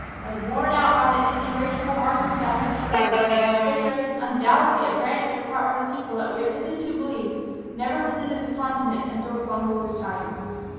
As borne out by the inerasable markings I have discovered, this race was undoubtedly a branch or part of a people that we have hitherto believed never visited the continent until Columbus's time."